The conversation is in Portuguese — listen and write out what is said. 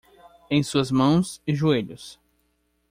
Em suas mãos e joelhos!